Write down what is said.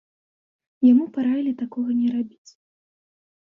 Яму параілі такога не рабіць.